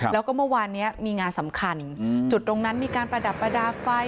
แล้วก็เมื่อวานนี้มีงานสำคัญจุดตรงนั้นมีการประดับประดาษไฟ